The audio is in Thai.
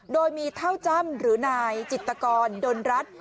โดยมีเท่าจ้ำหรือนายจิตกรดนรัฐ